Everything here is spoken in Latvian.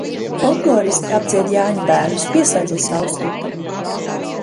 Folkloristi apdzied jāņabērnus. Pieslēdzies Saules kultam!